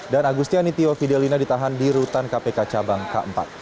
dan agustiani tio fidelina ditahan di rutan kpk cabang k empat